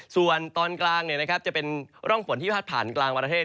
ส่วนตอนกลางเนี่ยนะครับจะเป็นร่องฝนที่ผ่าผ่านกลางวันอเทศ